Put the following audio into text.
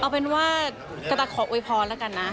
เอาเป็นว่ากระตะขอโอ๊ยพรกันนะ